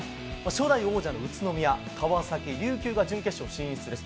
初代王者の宇都宮、川崎、琉球が準決勝進出です。